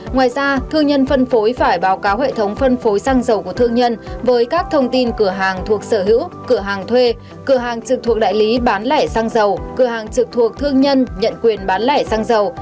ngoài ra thương nhân phân phối phải báo cáo hệ thống phân phối xăng dầu của thương nhân với các thông tin cửa hàng thuộc sở hữu cửa hàng thuê cửa hàng trực thuộc đại lý bán lẻ xăng dầu cửa hàng trực thuộc thương nhân nhận quyền bán lẻ xăng dầu